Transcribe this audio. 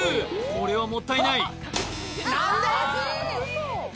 これはもったいない何で？